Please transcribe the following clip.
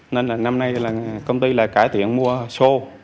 nên là năm nay là công ty lại cải thiện mua sô